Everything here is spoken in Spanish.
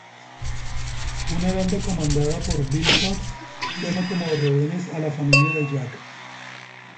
Una banda comandada por Bill Cox toma como rehenes a la familia de Jack.